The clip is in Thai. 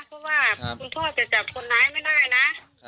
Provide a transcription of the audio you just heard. คุมพ่อจะจับคนไหนไม่ได้นะ